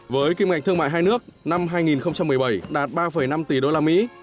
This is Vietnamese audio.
với kim ngạch thương mại hai nước năm hai nghìn một mươi bảy đạt ba năm tỷ usd